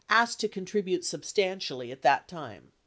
. asked to contribute substantially at that time."